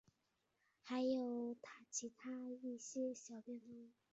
还有其它一些小变动。